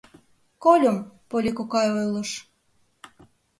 Кольым, Полли кокай ойлыш.